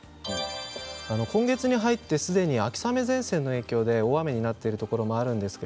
今月に入って秋雨前線の影響ですでに大雨になっているところがあります。